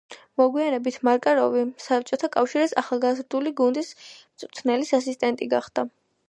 მოგვიანებით მარკაროვი საბჭოთა კავშირის ახალგაზრდული გუნდის მწვრთნელის ასისტენტი გახდა.